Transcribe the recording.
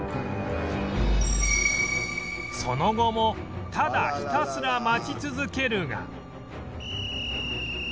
その後もただひたすら待ち続けるが